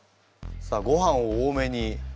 さあごはんを多めに。